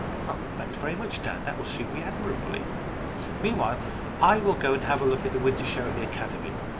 " Oh, thanks very much, dad, that will suit me admirably. Meanwhile, I will go and have a look at the winter show at the Academy.